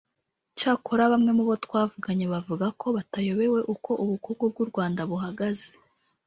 Cyakora bamwe mu bo twavuganye bavuga ko batayobewe uko ubukungu bw’u Rwanda buhagaze